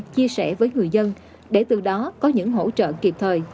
chia sẻ với người dân để từ đó có những hỗ trợ kịp thời